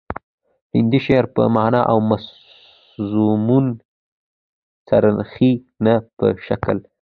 هندي شعر په معنا او مضمون څرخي نه په شکل